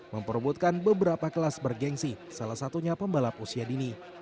memperbutkan beberapa kelas bergensi salah satunya pembalap usia dini